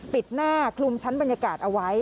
ปิดหน้าคลุมชั้นบรรยากาศเอาไว้